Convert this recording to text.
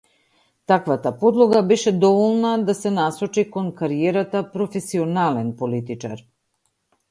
Таквата подлога беше доволна да се насочи кон кариерата професионален политичар.